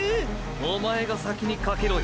おまえが先にかけろよ。